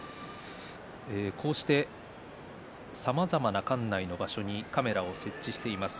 こうしてさまざまな館内の場所にカメラを据えています。